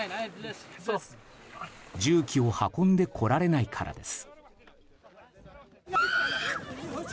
重機を運んでこられないからです。